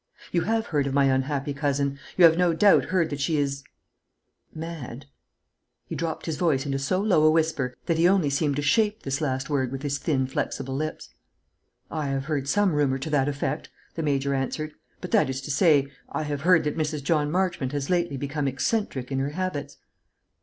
"You have heard of my unhappy cousin. You have no doubt heard that she is mad?" He dropped his voice into so low a whisper, that he only seemed to shape this last word with his thin flexible lips. "I have heard some rumour to that effect," the Major answered; "that is to say, I have heard that Mrs. John Marchmont has lately become eccentric in her habits."